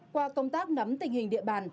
qua công tác nắm tình hình địa bàn